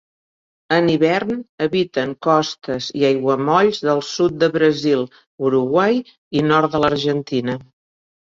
En hivern habiten costes i aiguamolls del sud de Brasil, Uruguai i nord de l'Argentina.